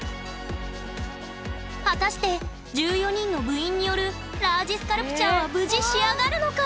果たして１４人の部員によるラージスカルプチャーは無事仕上がるのか！